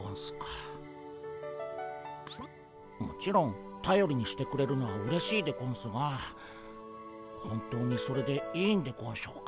もちろんたよりにしてくれるのはうれしいでゴンスが本当にそれでいいんでゴンショうか。